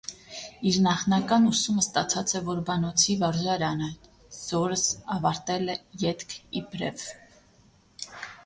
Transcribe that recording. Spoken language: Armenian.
Իր նախնական ուսումը ստացած է որբանոցի վարժարանը, զորս աւարտելէ ետք, իբրեւ։